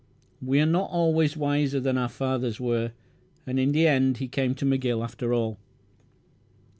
We are not always wiser than our fathers were, and in the end he came to McGill after all.